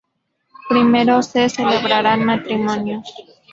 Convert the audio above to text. Primero, se celebrarán matrimonios.